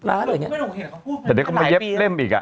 แต่เดี๋ยวก็มาเย็บเล่มอีกอ่ะ